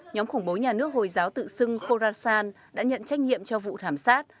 nhóm khủng bố nhà nước hồi giáo tự xưng khorasan đã nhận trách nhiệm cho vụ thảm sát